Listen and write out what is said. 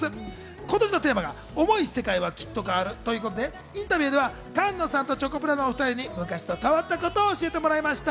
今年のテーマが「想い世界は、きっと変わる。」ということで、インタビューでは菅野さんとチョコプラのお二人に昔と変わったことを教えてもらいました。